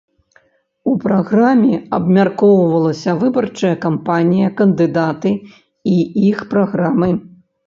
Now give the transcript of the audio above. У праграме абмяркоўвалася выбарчая кампанія, кандыдаты і іх праграмы.